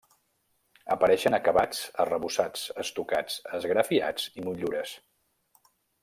Apareixen acabats arrebossats, estucats, esgrafiats i motllures.